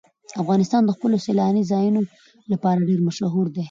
افغانستان د خپلو سیلاني ځایونو لپاره ډېر مشهور دی.